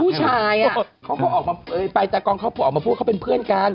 ผู้ชายอ่ะเขาก็ออกมาไปตากรองเขาออกมาพูดเขาเป็นเพื่อนกัน